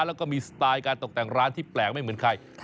แล้วก็มีสไตล์การตกแต่งร้านที่แปลกไม่เหมือนใคร